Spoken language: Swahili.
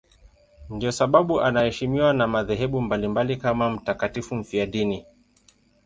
Ndiyo sababu anaheshimiwa na madhehebu mbalimbali kama mtakatifu mfiadini.